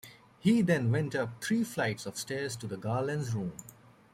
He then went up three flights of stairs to Garland's room.